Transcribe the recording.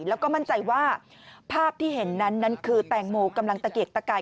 แล้วก็มั่นใจว่าภาพที่เห็นนั้นนั้นคือแตงโมกำลังตะเกียกตะกาย